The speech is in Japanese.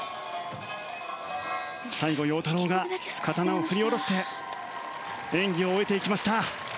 最後、陽太郎が刀を振り下ろして演技を終えていきました。